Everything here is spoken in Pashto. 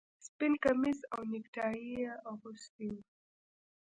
سپین کمیس او نیکټايي یې اغوستي وو